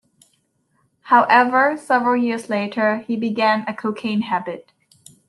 However, several years later he began a cocaine habit.